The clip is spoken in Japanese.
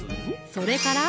それから？